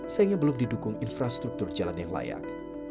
sayangnya belum didukung infrastruktur jalan yang layak